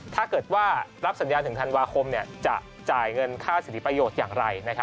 ถ้าเกิดว่ารับสัญญาณถึงธันวาคมจะจ่ายเงินค่าสิทธิประโยชน์อย่างไร